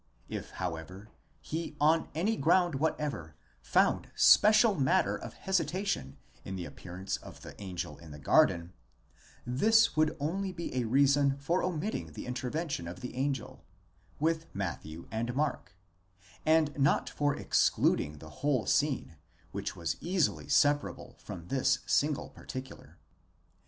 29. If, however, he on any ground whatever, found special matter of hesitation in the appearance of the angel in the garden: this would only be a reason for omitting the inter vention of the angel, with Matthew and Mark, and not for excluding the whole scene, which was easily separable from this single particular.